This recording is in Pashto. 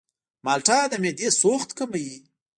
مالټه د معدې سوخت کموي.